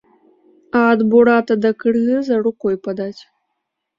А ад бурата да кыргыза рукой падаць.